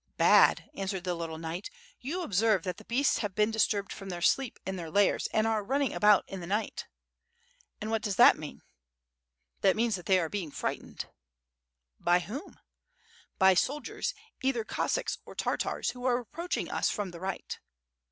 "Bad!" answered the little knight. "You observe that the boasts have been disturbed from their sleep in their lairs, and are running about in the night." "And what does that mean?" 676 "^ITB FIRE AND SWORD. "That means that they are being frightened/' . "By whomr "By soldiers, either Cossacks or Tartars, who are approach ing us from the right."